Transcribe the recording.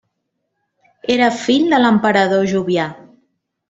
Era fill de l'emperador Jovià.